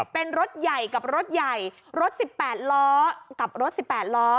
เป็นรถใหญ่กับรถใหญ่รถ๑๘ล้อกับรถ๑๘ล้อ